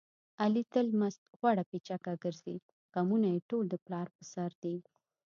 علي تل مست غوړه پیچکه ګرځي. غمونه یې ټول د پلار په سر دي.